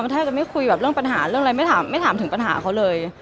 ถ้าจะไม่คุยแบบเรื่องปัญหาเรื่องอะไรไม่ถามถึงปัญหาเขาเลย